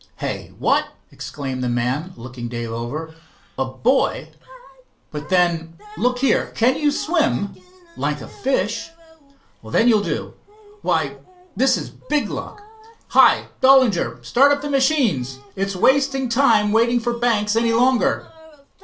"Hey, what?" exclaimed the man, looking Dave over. "A boy? But then—look here, can you swim?" "Like a fish." "Then you'll do. Why, this is big luck. Hi, Dollinger, start up the machines. It's wasting time waiting for Banks any longer."